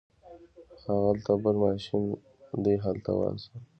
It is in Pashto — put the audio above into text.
هغلته بل ماشین دی هلته ورشه.